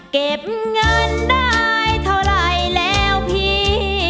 เก็บเงินได้เท่าไหร่แล้วพี่